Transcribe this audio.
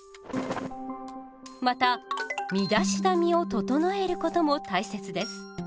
また身だしなみを整えることも大切です。